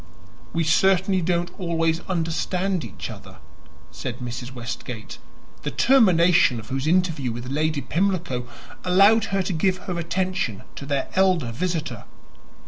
"We certainly don't always understand each other," said Mrs. Westgate, the termination of whose interview with Lady Pimlico allowed her to give her attention to their elder visitor.